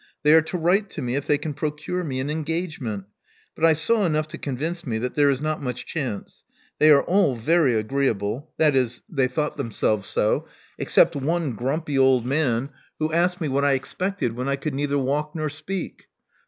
They are to write to me if they can procure me an engagement; but I saw enough to convince me that there is not much chance. They are all very agreeable — that is, they thought them selves so — except one grumpy old man, who asked me 82 Love Among the Artists what I expected when I could neither walk nor speak.